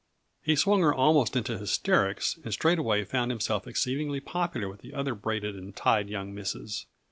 He swung her almost into hysterics and straightway found himself exceedingly popular with other braided and tied young misses.